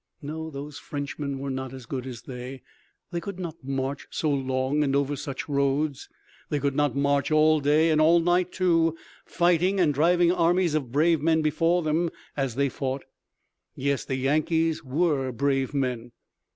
No, those French men were not as good as they. They could not march so long and over such roads. They could not march all day and all night, too, fighting and driving armies of brave men before them as they fought. Yes, the Yankees were brave men!